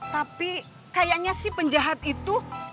tapi kayaknya si penjahat itu